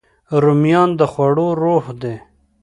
رومیان د خوړو روح دي